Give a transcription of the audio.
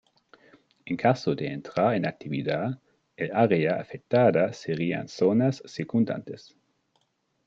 En caso de entrar en actividad, el área afectada serían zonas circundantes.